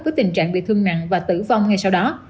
có tình trạng bị thương nặng và tử vong ngay sau đó